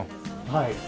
はい。